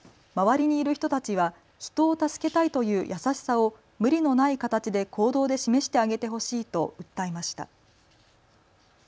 周りにいる人たちは人を助けたいという優しさを無理のない形で行動で示してあげてほしいと訴えました。